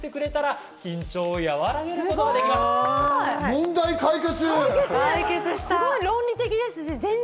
問題解決！